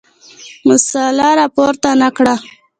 مسله راپورته نه کړه.